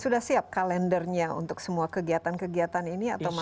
sudah siap kalendernya untuk semua kegiatan kegiatan ini atau bagaimana